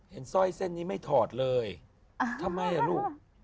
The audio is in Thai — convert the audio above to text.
สร้อยเส้นนี้ไม่ถอดเลยทำไมอ่ะลูก